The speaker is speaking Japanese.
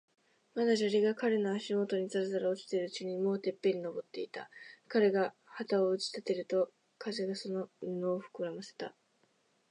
まだ砂利が彼の足もとにざらざら落ちているうちに、もうてっぺんに登っていた。彼が旗を打ち立てると、風がその布をふくらませた。